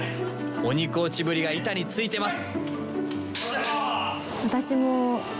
鬼コーチぶりが板についてます！